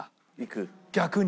逆に。